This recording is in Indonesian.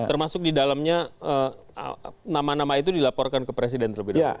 termasuk di dalamnya nama nama itu dilaporkan ke presiden terlebih dahulu